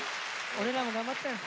俺らも頑張ったよ。